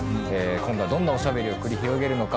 今度はどんなおしゃべりを繰り広げるのか。